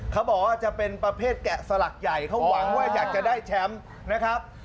เขาบอกว่าจะเป็นประเภทแกะสลักใหญ่เขาหวังว่าอยากจะได้แชมป์นะครับ